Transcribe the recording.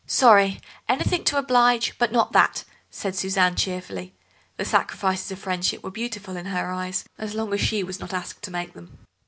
"Sorry, anything to oblige, but not that," said Suzanne cheerfully; the sacrifices of friendship were beautiful in her eyes as long as she was not asked to make them.